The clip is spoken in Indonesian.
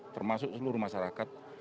termasuk seluruh masyarakat